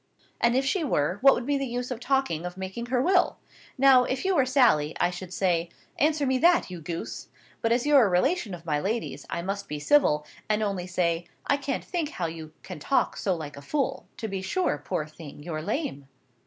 "And if she were, what would be the use of talking of making her will? Now, if you were Sally, I should say, 'Answer me that, you goose!' But, as you're a relation of my lady's, I must be civil, and only say, 'I can't think how you can talk so like a fool!' To be sure, poor thing, you're lame!"